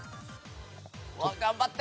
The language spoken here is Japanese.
頑張って。